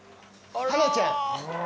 ハナちゃん！